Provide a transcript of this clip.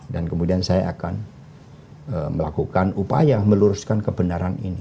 dan kemudian saya akan melakukan upaya meluruskan kebenaran ini